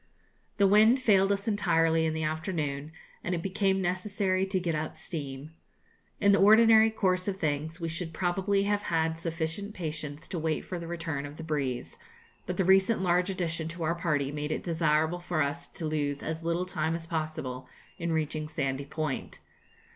The wind failed us entirely in the afternoon, and it became necessary to get up steam. In the ordinary course of things, we should probably have had sufficient patience to wait for the return of the breeze; but the recent large addition to our party made it desirable for us to lose as little time as possible in reaching Sandy Point.